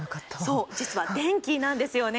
実は電気なんです。